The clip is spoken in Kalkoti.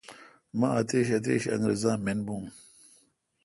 مہ اتش اتش انگرزا من بھو